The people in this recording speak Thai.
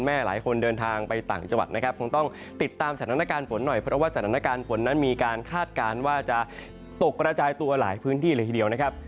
หลายคนเดินทางไปต่างจังหวัดนะครับคงต้องติดตามสถานการณ์ฝนหน่อยเพราะว่าสถานการณ์ฝนนั้นมีการคาดการณ์ว่าจะตกกระจายตัวหลายพื้นที่เลยทีเดียวนะครับ